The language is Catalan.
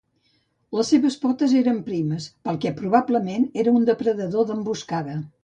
Les seves potes eren primes pel que probablement era un depredador d'emboscada.